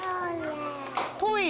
トイレ。